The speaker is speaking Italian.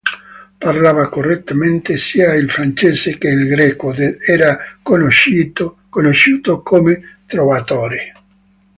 Parlava correntemente sia il francese che il greco ed era conosciuto come "trovatore".